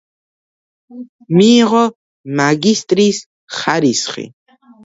მიიღო მაგისტრის ხარისხი.